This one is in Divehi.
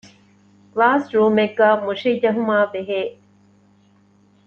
ކްލާސްރޫމެއްގައި މުށިޖެހުމާބެހޭ